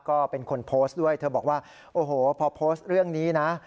ก็เป็นคนโพสต์ด้วยเธอบอกว่าโอ้โหพอโพสต์เรื่องนี้นะ